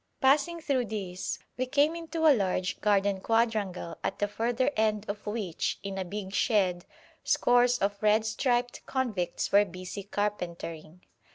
Passing through this, we came into a large garden quadrangle at the further end of which, in a big shed, scores of red striped convicts were busy carpentering.